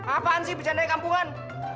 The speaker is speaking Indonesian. apaan sih pecandai kampungan